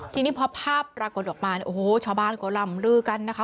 ทีนี้พอภาพปรากฏออกมาเนี่ยโอ้โหชาวบ้านก็ลำลือกันนะคะ